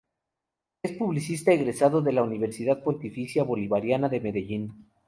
Es Publicista, egresado de la Universidad Pontificia Bolivariana de Medellín.